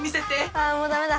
あもうダメだ。